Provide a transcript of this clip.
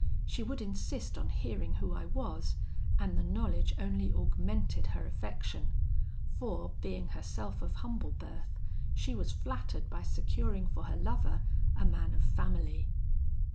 She would insist on hearing who I was, and the knowledge only augmented her affection; for, being herself of humble birth, she was flattered by securing for her lover a man of family.